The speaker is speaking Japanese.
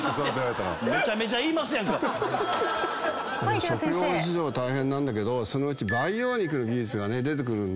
食料事情大変なんだけどそのうち培養肉の技術が出てくるんで。